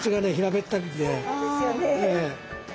そうなんですよね。